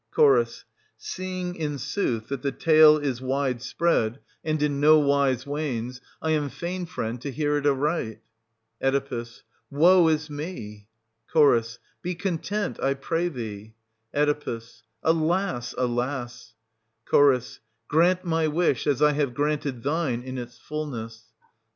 Ch. Seeing, in sooth, that the tale is wide spread. 8o SOPHOCLES, [518—537 and in no wise wanes, I am fain, friend, to hear it aright. Oe. Woe is me ! Ch. Be content, I pray thee ! Oe. Alas, alas ! 520 Ch. Grant my wish, as I have granted thine in its fulness.